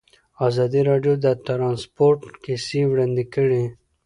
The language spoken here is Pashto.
ازادي راډیو د ترانسپورټ کیسې وړاندې کړي.